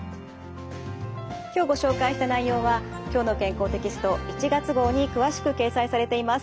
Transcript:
今日ご紹介した内容は「きょうの健康」テキスト１月号に詳しく掲載されています。